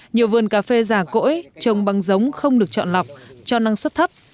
nhiều vườn cà phê giả cỗi trồng băng giống không được chọn lọc cho năng suất thấp